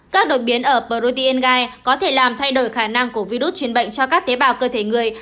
các đột biến ở protein gai có thể làm thay đổi khả năng của virus truyền bệnh cho các tế bào cơ thể người